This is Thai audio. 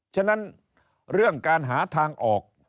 ฉะนั้นเรื่องการหาทางออก